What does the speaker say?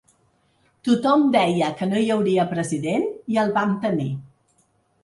Tothom deia que no hi hauria president i el vam tenir.